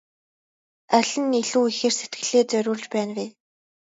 Аль нь илүү ихээр сэтгэлээ зориулж байна вэ?